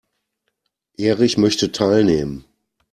Erich möchte teilnehmen.